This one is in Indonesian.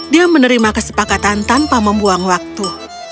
dia menerima kesepakatan tanpa membuang waktu